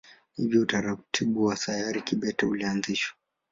Hivyo utaratibu wa sayari kibete ulianzishwa.